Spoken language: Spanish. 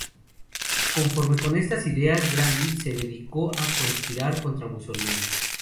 Conforme con estas ideas, Grandi se dedicó a conspirar contra Mussolini.